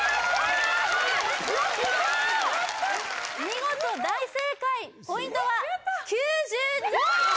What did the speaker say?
見事大正解ポイントは９２ポイント！